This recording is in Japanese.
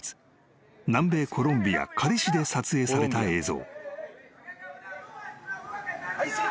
［南米コロンビアカリ市で撮影された映像］